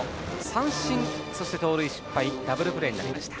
三振、そして盗塁失敗でダブルプレー。